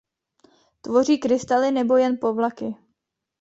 Tvoří krystaly nebo jen povlaky.